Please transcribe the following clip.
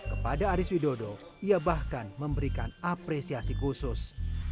kepada aris widodo ia bahkan memberikan apresiasi khusus